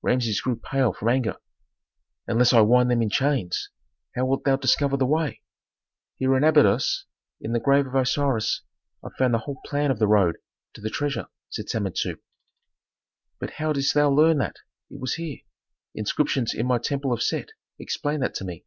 Rameses grew pale from anger. "Unless I wind them in chains! How wilt thou discover the way?" "Here in Abydos, in the grave of Osiris, I found the whole plan of the road to the treasure," said Samentu. "But how didst thou learn that it was here?" "Inscriptions in my temple of Set explained that to me."